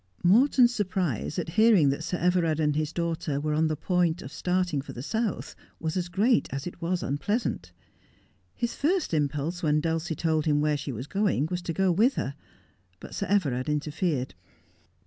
Morton's surprise at hearing that Sir Everard and his daughter were on the point of starting for the South was as great as it was unpleasant. His first impulse when Dulcie told him where she was going was to go with her, but Sir Everard interfered.